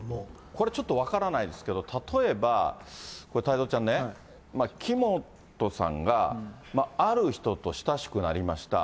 これちょっと分からないですけれども、例えばこれ、太蔵ちゃんね、木本さんが、ある人と親しくなりました。